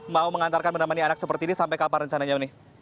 mau mengantarkan menemani anak seperti ini sampai kapan rencananya uni